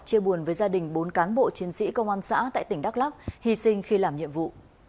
chia buồn với gia đình bốn cán bộ chiến sĩ công an xã tại tỉnh đắk lắc hy sinh khi làm nhiệm vụ